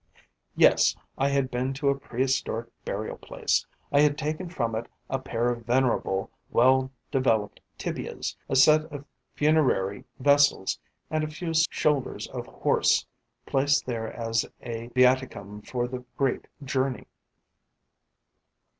Yes, I had been to a prehistoric burial place, I had taken from it a pair of venerable, well developed tibias, a set of funerary vessels and a few shoulders of horse, placed there as a viaticum for the great journey.